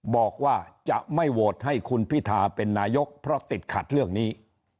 บอกว่าจะไม่โหวตให้คุณพิธาเป็นนายกเพราะติดขัดเรื่องนี้